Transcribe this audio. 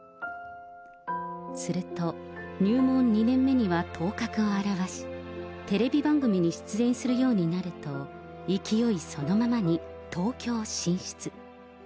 すると、入門２年目には頭角を現し、テレビ番組に出演するようになると、勢いそのままに東京進出。